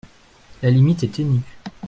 La limite est ténue.